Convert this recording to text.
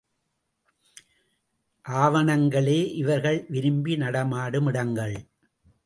ஆவணங்களே இவர்கள் விரும்பி நடமாடும் இடங்கள்.